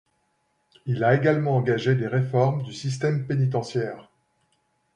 Il a également engagé des réformes du système pénitentiaire.